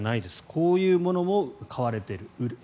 こういうものも買われてる。